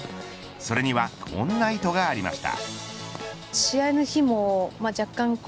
それにはこんな意図がありました。